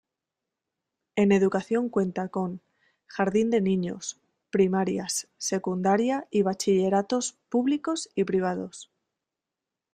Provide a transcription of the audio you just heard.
En educación cuenta con Jardin de niños, primarias, secundaria y bachilleratos públicos y privados.